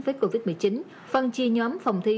với covid một mươi chín phân chia nhóm phòng thi